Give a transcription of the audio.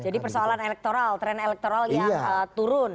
jadi persoalan elektoral tren elektoral yang turun